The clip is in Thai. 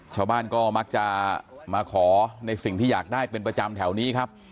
ชาวบ้านก็มักจะมาขอในสิ่งที่อยากได้เป็นประจำแถวนี้ครับ